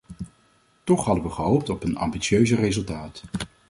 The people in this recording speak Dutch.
Toch hadden we gehoopt op een ambitieuzer resultaat.